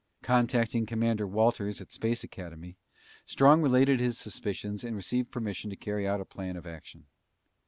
Contacting Commander Walters at Space Academy, Strong related his suspicions and received permission to carry out a plan of action.